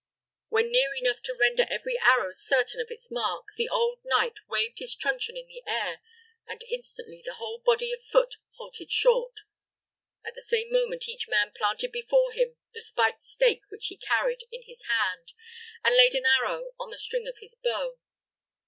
When near enough to render every arrow certain of its mark, the old knight waved his truncheon in the air, and instantly the whole body of foot halted short. At the same moment, each man planted before him the spiked stake which he carried in his hand, and laid an arrow on the string of his bow.